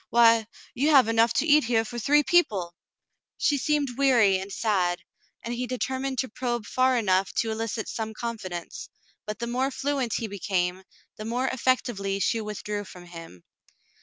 Why, you have enough to eat here for three people !" She seemed weary and sad, and he determined to probe far enough to elicit some confidence, but the more fluent he became, the more effectively she withdrew from him.